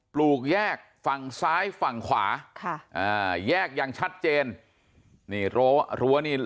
ปลูกแยกฝั่งซ้ายฝั่งขวาค่ะอ่าแยกอย่างชัดเจนนี่รั้วรั้วนี่